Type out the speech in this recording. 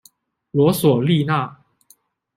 罗索利纳。